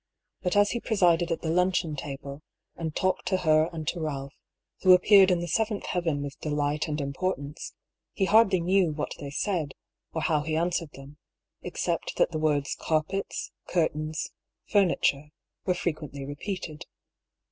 But as he presided at the luncheon table, and talked to her and to Ealph, who appeared in the seventh heaven with delight and importance, he hardly knew what they said, or how he answered them, except that the words carpets, curtains, furniture, were frequently repeated.